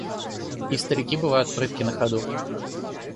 И старики бывают прытки на ходу.